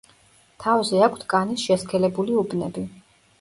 თავზე აქვთ კანის შესქელებული უბნები.